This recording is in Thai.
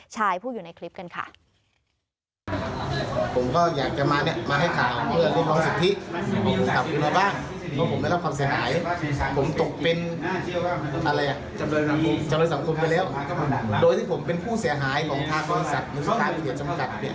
ชายผู้อยู่ในคลิปกันค่ะ